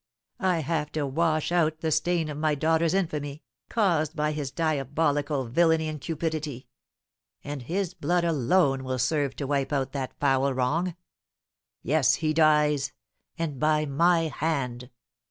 I have to wash out the stain of my daughter's infamy, caused by his diabolical villainy and cupidity; and his blood alone will serve to wipe out that foul wrong! Yes, he dies and by my hand!"